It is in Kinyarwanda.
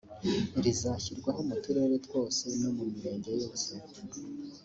rizashyirwaho mu turere twose no mu mirenge yose